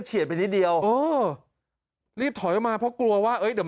เฉียไปนิดเดียวเออรีบถอยออกมาเพราะกลัวว่าเอ้ยเดี๋ยว